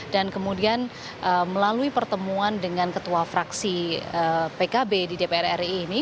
dan kemudian melalui pertemuan dengan ketua fraksi pkb di dpr ri ini